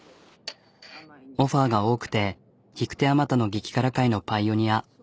オファーが多くて引く手あまたの激辛界のパイオニア。